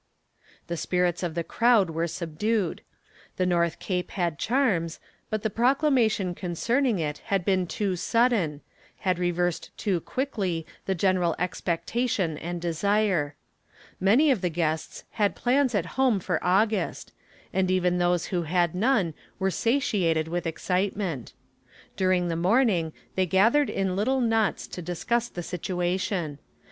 The spirits of the crowd were subdued. The North Cape had charms, but the proclamation concerning it had been too sudden had reversed too quickly the general expectation and desire. Many of the guests had plans at home for August, and even those who had none were satiated with excitement. During the morning they gathered in little knots to discuss the situation.